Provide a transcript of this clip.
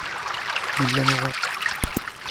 Il y en aura.